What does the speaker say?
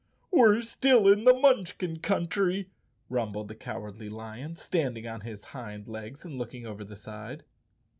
"We're still in the Munchkin country," rumbled the Cowardly Lion, standing on his hind legs and looking over the side.